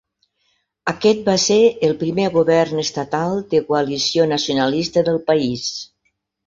Aquest va ser el primer govern estatal de coalició nacionalista del país.